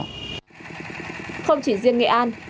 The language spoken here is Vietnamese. không chỉ riêng nghệ an